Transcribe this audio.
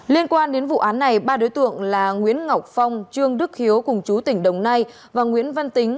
liên quan đến vụ án này ba đối tượng là nguyễn ngọc phong trương đức hiếu cùng chú tỉnh đồng nai và nguyễn văn tính